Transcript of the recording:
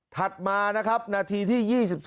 ถัดมานะครับนาทีที่๒๒๓๒๑๖